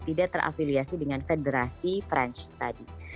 tidak terafiliasi dengan federasi franch tadi